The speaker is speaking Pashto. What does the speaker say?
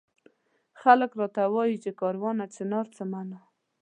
خلک راته وایي چي کاروانه چنار څه مانا؟